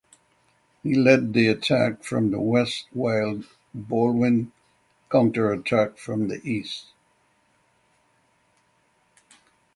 He led the attack from the west while Baldwin counterattacked from the east.